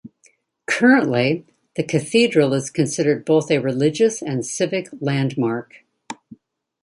Currently, the cathedral is considered both a religious and civic landmark.